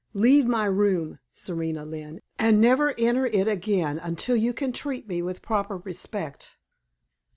Leave my room, Serena Lynne, and never enter it again until you can treat me with proper respect."